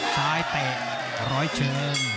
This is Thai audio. ซ้ายเตะร้อยเชิง